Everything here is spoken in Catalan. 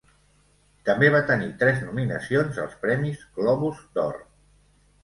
També va tenir tres nominacions als premis Globus d'Or.